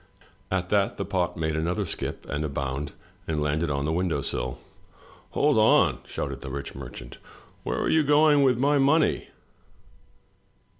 At that the pot made another skip and a bound and landed on the window sill. "Hold on!" shouted the rich merchant. Where are you going with my money?